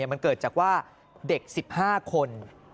มันเกิดจากว่าเด็ก๑๕คน